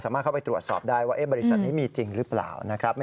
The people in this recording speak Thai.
สามารถเข้าไปตรวจสอบได้ว่าบริษัทนี้มีจริงหรือเปล่า